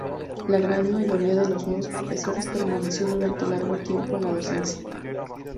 La gran mayoría de los nuevos profesores permaneció durante largo tiempo en la docencia.